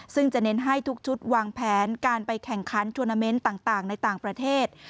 ซึ่งจะเน้นให้ทุกชุดวางแผนการไปแข่งขันทวนาเมนต์ต่างในต่างประเทศ